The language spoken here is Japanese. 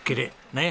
ねえ。